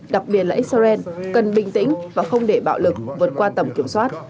đặc biệt là israel cần bình tĩnh và không để bạo lực vượt qua tầm kiểm soát